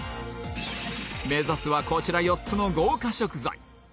目指すはこちら４つの豪華食材